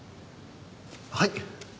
はい。